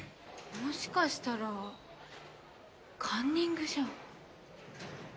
もしかしたらカンニングじゃ？